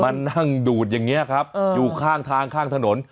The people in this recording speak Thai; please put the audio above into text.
มานั่งดูดอย่างนี้ครับอยู่ข้างทางข้างถนน